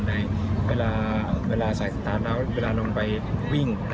ก็นั่งไหล่เวลาเวลาสายสตานท์แล้วเวลาลงไปวิ่ง